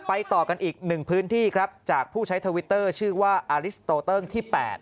ต่อกันอีกหนึ่งพื้นที่ครับจากผู้ใช้ทวิตเตอร์ชื่อว่าอาลิสโตเติ้งที่๘